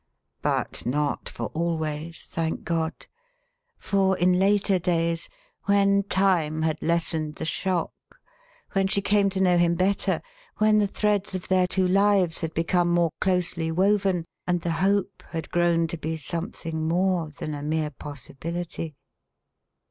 But not for always, thank God! For, in later days when Time had lessened the shock, when she came to know him better, when the threads of their two lives had become more closely woven, and the hope had grown to be something more than a mere possibility....